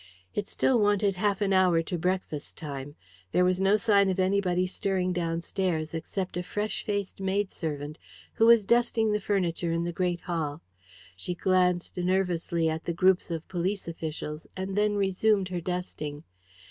It still wanted half an hour to breakfast time. There was no sign of anybody stirring downstairs except a fresh faced maidservant, who was dusting the furniture in the great hall. She glanced nervously at the groups of police officials, and then resumed her dusting.